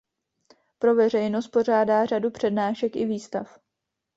Pro veřejnost pořádá řadu přednášek i výstav.